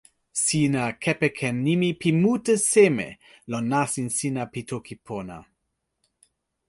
sina kepeken nimi pi mute seme lon nasin sina pi toki pona?